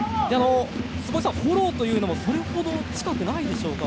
坪井さん、フォローというのもそれほど近くないでしょうか。